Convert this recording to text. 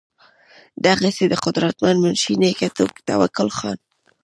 دغسې د قدرمند منشي نيکۀ توکل خان